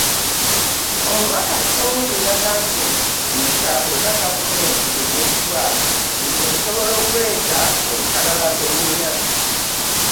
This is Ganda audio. Omubaka Ssewungu yagambye nti, ‘’Sipiika bw’eba gavumenti eremeddwa, nze nsobola okuleeta olukalala lwe nnina.”